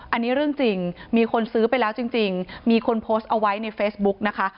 อันนี้เรื่องจริงมีคนซื้อไปแล้วจริงมีคนโพสต์เอาไว้ในเฟซบุ๊กนะคะ